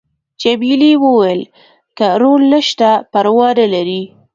جميلې وويل:: که رول نشته پروا نه لري.